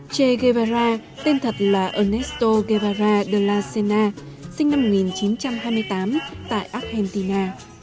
che guevara tên thật là ernesto guevara de la sena sinh năm một nghìn chín trăm hai mươi tám tại argentina